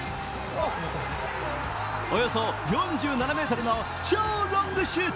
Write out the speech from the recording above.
およそ４７ｍの超ロングシュート。